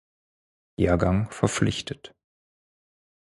Jahrgang verpflichtet.